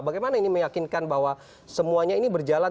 bagaimana ini meyakinkan bahwa semuanya ini berjalan